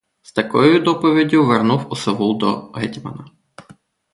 З такою доповіддю вернув осавул до гетьмана.